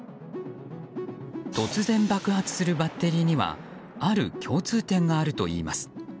突然、爆発するバッテリーにはある共通点があるといいます。